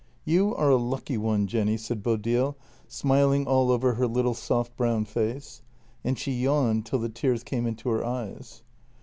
" You are a lucky one, Jenny! " said Bodil, smiling all over her little soft brown face. And she yawned till the tears came into her eyes.